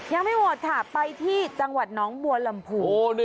ยังไม่หมดค่ะไปที่จังหวัดน้องบัวลำพู